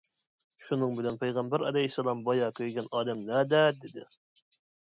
شۇنىڭ بىلەن پەيغەمبەر ئەلەيھىسسالام: «بايا كۆيگەن ئادەم نەدە؟ » دېدى.